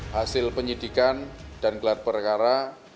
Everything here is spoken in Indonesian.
hasil penyidikan dan gelar perkara